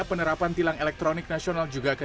penerapan tilang elektronik nasional juga akan